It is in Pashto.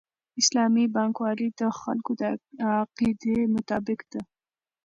اسلامي بانکوالي د خلکو د عقیدې مطابق ده.